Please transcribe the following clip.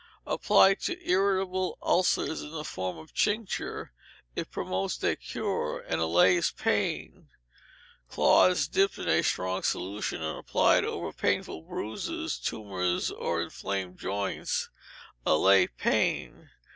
Applied to irritable ulcers in the form of tincture, it promotes their cure, and allays pain. Cloths dipped in a strong solution, and applied over painful bruises, tumours, or inflamed joints, allay pain.